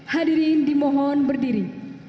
hadirin dimohon berdiri